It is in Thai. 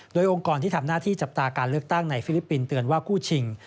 โดยองค์กรที่ทำหน้าที่จับตาการเลือกตั้งในฟิลิปปินส์เตือนว่าคู่ชิง